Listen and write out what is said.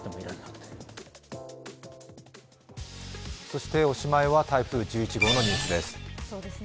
そしておしまいは台風１１号のニュースです。